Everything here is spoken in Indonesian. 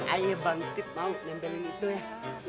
ayo bang steve mau tempelin itu ya